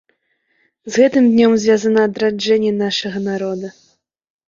З гэтым днём звязана адраджэнне нашага народа.